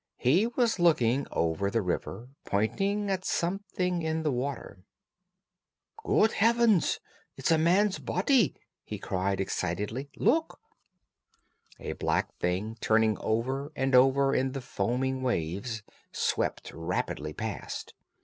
He was looking over the river, pointing at something in the water. "Good heavens, it's a man's body!" he cried excitedly. "Look!" A black thing, turning over and over in the foaming waves, swept rapidly past.